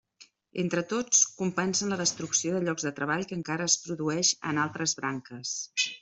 Entre tots compensen la destrucció de llocs de treball que encara es produeix en altres branques.